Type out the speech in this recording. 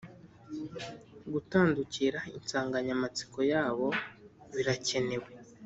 gutandukira insanganyamatsiko yabo birakenewe